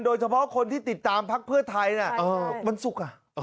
โดยเฉพาะคนที่ติดตามพักเพื่อไทยวันศุกร์